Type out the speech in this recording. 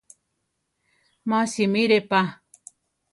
Má simire pa.